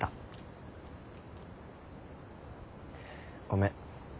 ごめん。